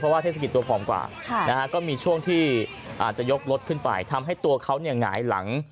เทศกิจตัวผอมกว่าก็มีช่วงที่อาจจะยกรถขึ้นไปทำให้ตัวเขาหงายหลัง